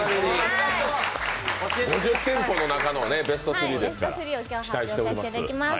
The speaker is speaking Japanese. ５０店舗の中のベスト３ですから、期待しています。